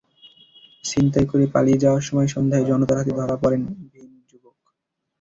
ছিনতাই করে পালিয়ে যাওয়ার সময় সন্ধ্যায় জনতার হাতে ধরা পড়েন তিন যুবক।